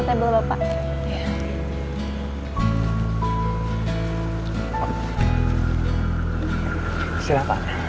terima kasih ya